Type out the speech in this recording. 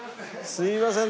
すいません。